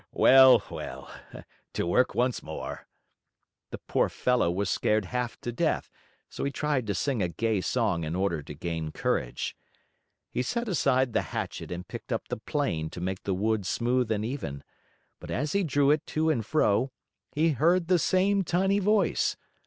Well, well to work once more!" The poor fellow was scared half to death, so he tried to sing a gay song in order to gain courage. He set aside the hatchet and picked up the plane to make the wood smooth and even, but as he drew it to and fro, he heard the same tiny voice.